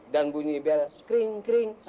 dan bunyi bel kring kring